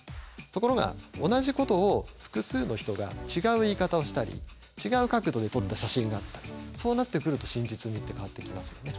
ところが同じことを複数の人が違う言い方をしたり違う角度で撮った写真があったりそうなってくると真実味って変わってきますよね。